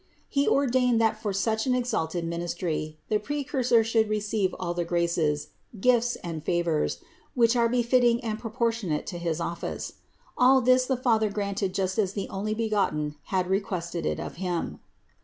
He ordained that for such an exalted ministry the Precursor should receive all the graces, gifts and favors which are befitting and proportionate to his office. All this the Father granted just as the Onlybegotten had requested it of Him.